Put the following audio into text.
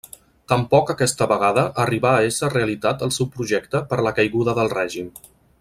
Tampoc aquesta vegada arribà a esser realitat el seu projecte per la caiguda del règim.